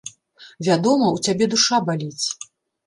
Вядома, у цябе душа баліць.